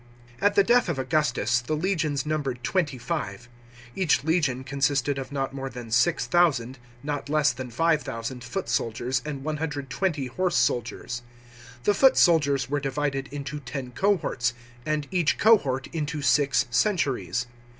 At the death of Augustus, the legions numbered twenty five. Each legion consisted of not more than 6000, not less than 5000, foot soldiers and 120 horse soldiers. The foot soldi rs were divided into ten cohorts, and each cohort into six centuries.